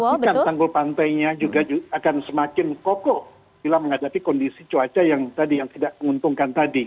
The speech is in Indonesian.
pastikan tanggul pantainya juga akan semakin kokoh bila menghadapi kondisi cuaca yang tadi yang tidak menguntungkan tadi